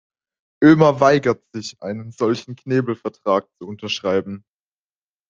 Ömer weigert sich, einen solchen Knebelvertrag zu unterschreiben.